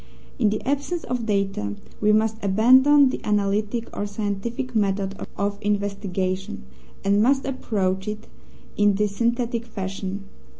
In the absence of data we must abandon the analytic or scientific method of investigation, and must approach it in the synthetic fashion.